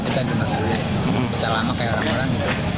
becah lama kayak orang orang gitu